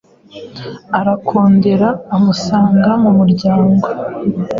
arakondora amusanga mu muryango.